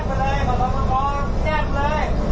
เอาไว้